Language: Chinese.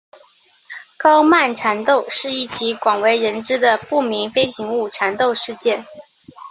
高曼缠斗是一起广为人知的不明飞行物缠斗事件。